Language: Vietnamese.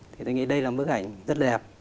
thì tôi nghĩ đây là bức ảnh rất đẹp